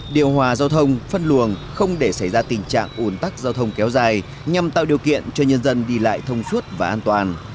điều hòa giao thông phân luồng không để xảy ra tình trạng ủn tắc giao thông kéo dài nhằm tạo điều kiện cho nhân dân đi lại thông suốt và an toàn